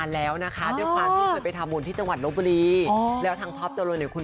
แล้วก็เป็นสายบุญต่อกันแบบนี้แหละค่ะ